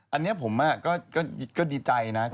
อันนี้ผมก็ดีใจนะ